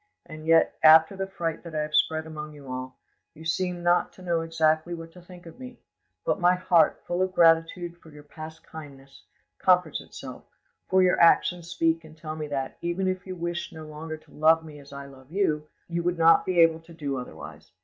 And yet, after the fright that I have spread among you all, you seem not to know exactly what to think of me; but my heart, full of gratitude for your past kindness, comforts itself; for your actions speak and tell me that, even if you wished no longer to love me as I love you, you would not be able to do otherwise.